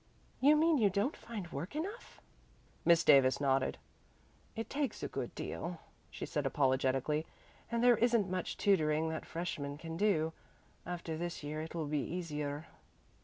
"You mean you don't find work enough?" Miss Davis nodded. "It takes a good deal," she said apologetically, "and there isn't much tutoring that freshmen can do. After this year it will be easier."